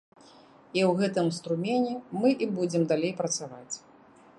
І ў гэтым струмені мы і будзем далей працаваць.